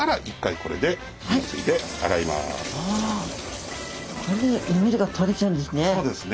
これでぬめりが取れちゃうんですね。